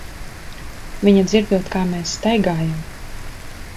Viņa dzirdot, kā mēs staigājam.